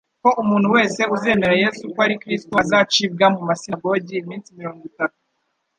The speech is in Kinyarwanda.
ko umuntu wese uzemera Yesu ko ari Kristo azacibwa mu masinagogi iminsi mirongo itatu,